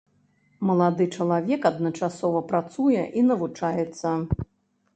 Малады чалавек адначасова працуе і навучаецца.